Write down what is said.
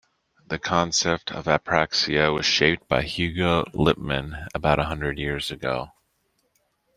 The concept of apraxia was shaped by Hugo Liepmann about a hundred years ago.